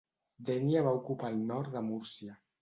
Dénia va ocupar el nord de Múrcia.